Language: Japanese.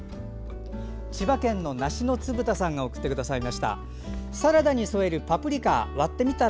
千葉県の梨のつぶ太さんが送ってくださいました。